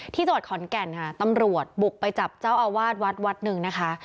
ที่สวรรค์ขอนแก่นค่ะน่าตำรวจบุกไปจับเจ้าอาวาทวัด๑นะคะ